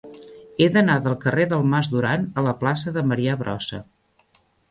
He d'anar del carrer del Mas Duran a la plaça de Marià Brossa.